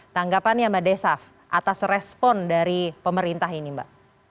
tanggapannya mbak desaf atas respon dari pemerintah ini mbak